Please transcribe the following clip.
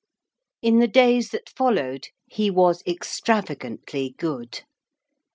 In the days that followed, he was extravagantly good.